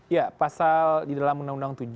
ya pasal di dalam undang undang tujuh